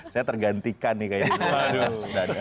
saya tergantikan nih kayaknya